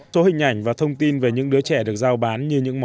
số hình ảnh và thông tin về những đứa trẻ được giao bán như những món quà